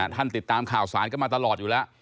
ติดตามข่าวสารกันมาตลอดอยู่แล้ว